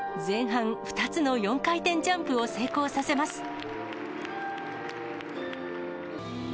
前半、２つの４回転ジャンプを成功させます。